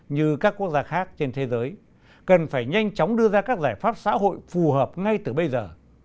như các quốc gia khác trên thế giới cần phải nhanh chóng đưa ra các giải pháp xã hội phù hợp ngay từ bây giờ